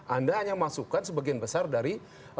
anda hanya masukkan sebagian besar dari